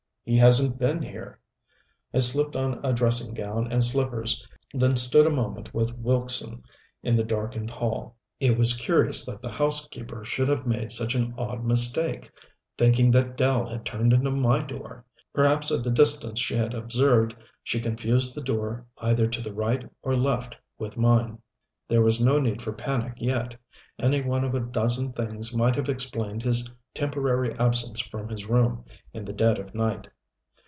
He hasn't been here." I slipped on a dressing gown and slippers, then stood a moment with Wilkson in the darkened hall. It was curious that the housekeeper should have made such an odd mistake thinking that Dell had turned into my door. Perhaps at the distance she had observed she confused the door either to the right or left with mine. There was no need for panic yet. Any one of a dozen things might have explained his temporary absence from his room in the dead of night.